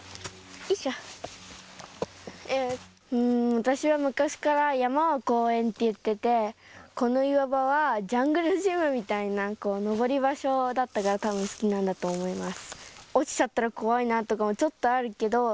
私は昔から山は公園って言っててこの岩場はジャングルジムみたいな登り場所だったからたぶん好きなんだと思います。